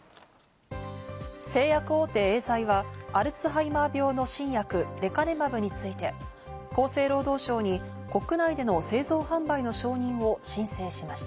製薬大手エーザイはアルツハイマー病の新薬・レカネマブについて厚生労働省に、国内での製造販売の承認を申請しました。